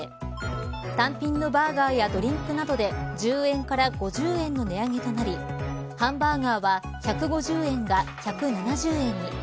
単品のバーガーやドリンクなどで１０円から５０円の値上げとなりハンバーガーは１５０円が１７０円に。